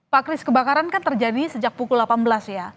pak kris kebakaran kan terjadi sejak pukul delapan belas ya